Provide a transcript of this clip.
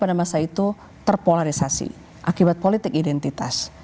pada masa itu terpolarisasi akibat politik identitas